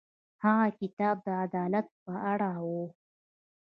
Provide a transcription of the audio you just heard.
هغه کتاب د عدالت په اړه و.